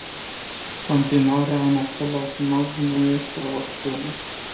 Continuarea în același mod nu este o opțiune.